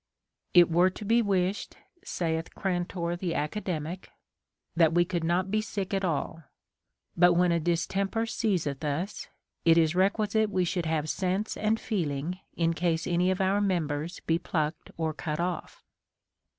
It were to be Avished, saith Grantor the Academic, that we could not be sick at all ; but when a distemper seizeth us, it is requisite we should have sense and feeling in case any of our members be plucked or cut off.